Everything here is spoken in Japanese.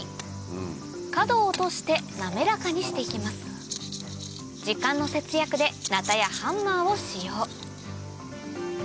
早速時間の節約でナタやハンマーを使用